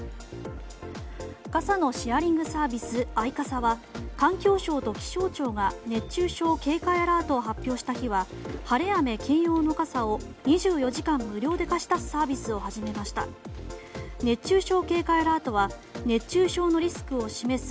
傘のシェアリングサービスアイカサは環境省と気象庁が熱中症警戒アラートを発表した日は晴れ雨兼用の傘を２４時間無料で貸し出すサービスを始めました。